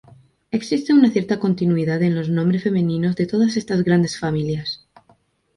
Existe una cierta continuidad en los nombres femeninos de todas estas grandes familias.